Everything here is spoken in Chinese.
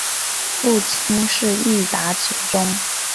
父亲是伊达持宗。